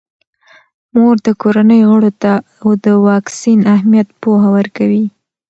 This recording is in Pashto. مور د کورنۍ غړو ته د واکسین اهمیت پوهه ورکوي.